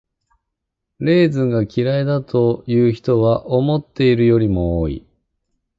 レーズンが嫌いだという人は思っているよりも多い。